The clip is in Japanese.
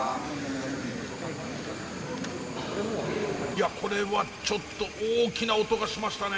いやこれはちょっと大きな音がしましたね。